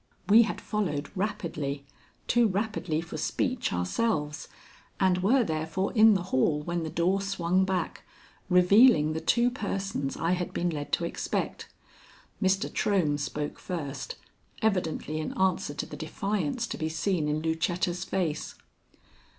We had followed rapidly, too rapidly for speech ourselves, and were therefore in the hall when the door swung back, revealing the two persons I had been led to expect. Mr. Trohm spoke first, evidently in answer to the defiance to be seen in Lucetta's face.